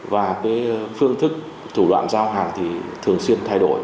và cái phương thức thủ đoạn giao hàng thì thường xuyên thay đổi